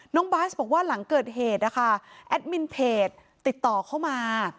น้องบาสบอกว่าหลังเกิดเหตุนะคะแอดมินเพจติดต่อเข้ามา